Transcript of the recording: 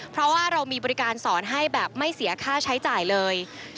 เพราะว่าเรามีบริการสอนให้แบบไม่เสียค่าใช้จ่ายเลย